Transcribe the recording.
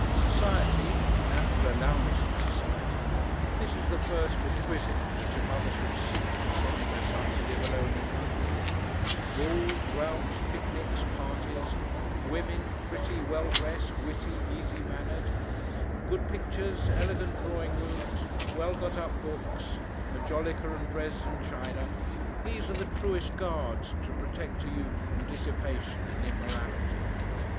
Society, an ample allowance of society, this is the first requisite which a mother should seek in sending her son to live alone in London; balls, routs, picnics, parties; women, pretty, well dressed, witty, easy mannered; good pictures, elegant drawing rooms, well got up books, Majolica and Dresden china these are the truest guards to protect a youth from dissipation and immorality.